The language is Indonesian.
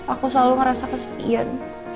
aku selalu ngerasa kesepian